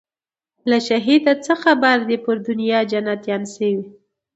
له شهیده څه خبر دي پر دنیا جنتیان سوي